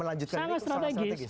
melanjutkan ini sangat strategis